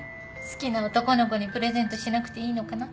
好きな男の子にプレゼントしなくていいのかな？